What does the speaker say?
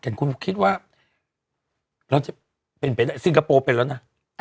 แต่คุณคิดว่าสิงคโปร์เป็นแล้วนะ